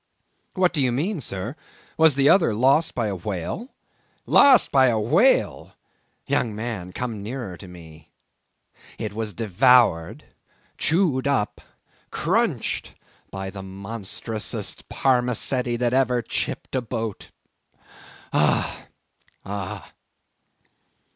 "What do you mean, sir? Was the other one lost by a whale?" "Lost by a whale! Young man, come nearer to me: it was devoured, chewed up, crunched by the monstrousest parmacetty that ever chipped a boat!—ah, ah!"